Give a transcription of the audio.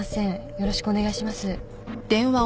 よろしくお願いします。